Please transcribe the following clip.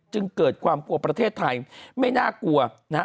จึงเกิดความกลัวประเทศไทยไม่น่ากลัวนะฮะ